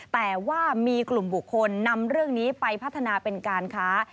แต่ว่ามีกลุ่มบุคคลนำเรื่องนี้ไปพัฒนาเป็นการค้า